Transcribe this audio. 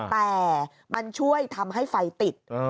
แต่มันช่วยทำให้ไฟติด